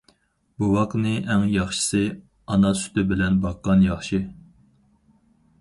بوۋاقنى ئەڭ ياخشىسى ئانا سۈتى بىلەن باققان ياخشى.